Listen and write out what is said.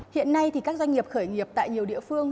hiện nay thì các doanh nghiệp khởi nghiệp tại nhiều địa phương